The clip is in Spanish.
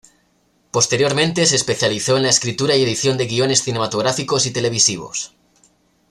Posteriormente, se especializó en la escritura y edición de guiones cinematográficos y televisivos.